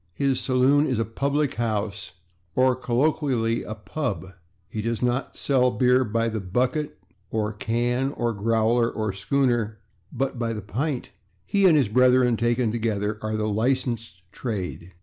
His saloon is a /public house/, or, colloquially, a /pub/. He does not sell beer by the /bucket/ or /can/ or /growler/ or /schooner/, but by the /pint/. He and his brethren, taken together, are the /licensed trade